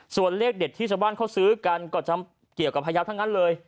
ส่วนเลขเด็ดที่ชาวบ้านเขาซื้อกันก็จะเกี่ยวกับพยาวทั้งนั้นเลย